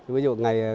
ví dụ ngày cúc khánh